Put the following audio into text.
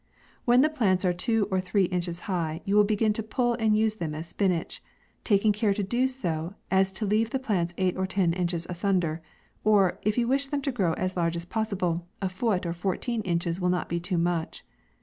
When the plants are tw r o or three inches high, you will begin to pull, and use them as spinach ; taking care to do it so as to leave the plants eight or ten inches asunder; of, if you wish them to grow as large as possible, a foot, or fourteen inches will not be too much.